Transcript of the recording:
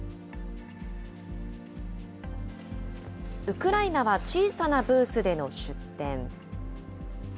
ウクライナは小さなブースでの出店。